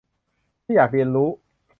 ที่อยากเรียนรู้